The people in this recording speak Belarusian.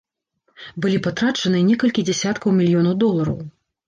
Былі патрачаныя некалькі дзясяткаў мільёнаў долараў.